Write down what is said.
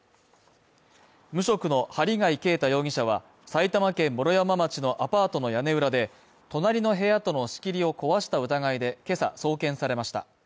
無職の針谷啓太容疑者は、埼玉県毛呂山町のアパートの屋根裏で、隣の部屋との仕切りを壊した疑いでけさ送検されました。